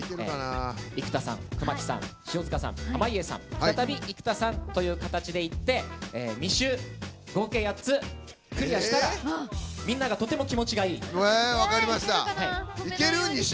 生田さん、熊木さん、塩塚さん濱家さん、再び生田さんという形でいって２周、合計８つクリアしたら、みんながとても気持ちがいい。